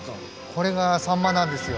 これがサンマなんですよ。